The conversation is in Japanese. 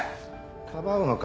かばうのか？